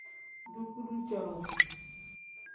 Dukuru cowuu.